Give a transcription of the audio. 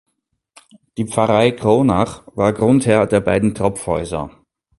Die Pfarrei Kronach war Grundherr der beiden Tropfhäuser.